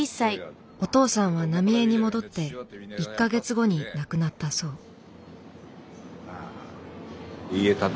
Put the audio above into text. お父さんは浪江に戻って１か月後に亡くなったそう。